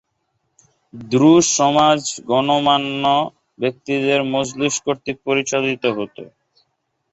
Druze সমাজ গণ্যমান্য ব্যক্তিদের মজলিস কর্তৃক পরিচালিত হত।